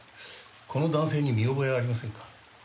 この男性に見覚えはありませんか？